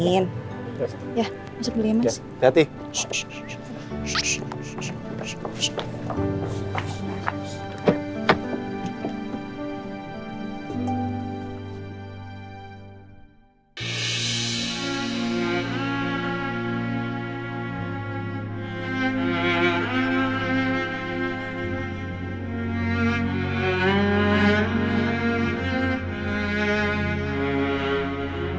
ya masuk dulu ya mas